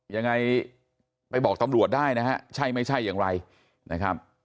ยังไงไปบอกตำรวจได้นะฮะใช่ไม่ใช่อย่างไรนะครับ